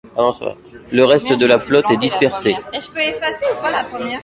Le reste de la flotte est dispersé.